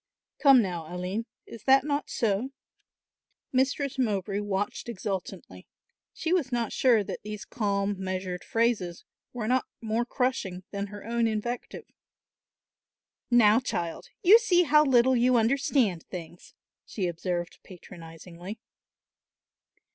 Come now, Aline, is that not so?" Mistress Mowbray watched exultantly. She was not sure that these calm measured phrases were not more crushing than her own invective. "Now, child, you see how little you understand things," she observed patronisingly.